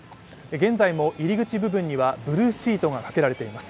現在も入り口部分にはブルーシートがかけられています。